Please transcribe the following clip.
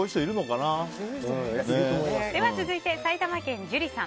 続いて、埼玉県の方。